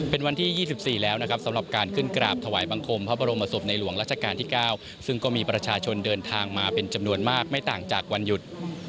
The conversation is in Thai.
เป็นวันที่๒๔แล้วนะครับสำหรับการขึ้นกราบถวายบังคมพระบรมศพในหลวงราชการที่๙ซึ่งก็มีประชาชนเดินทางมาเป็นจำนวนมากไม่ต่างจากวันหยุด